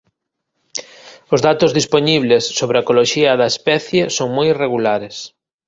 Os datos dispoñibles sobre a ecoloxía da especie son moi irregulares.